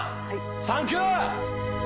サンキュー！